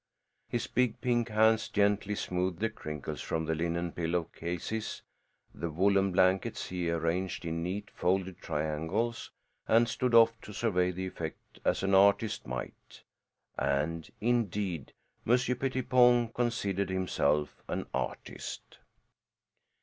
His big pink hands gently smoothed the crinkles from the linen pillow cases; the woolen blankets he arranged in neat, folded triangles and stood off to survey the effect as an artist might. And, indeed, Monsieur Pettipon considered himself an artist.